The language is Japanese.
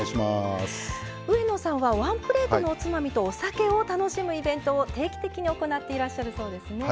上野さんはワンプレートのおつまみとお酒を楽しむイベントを定期的に行っていらっしゃるそうですね。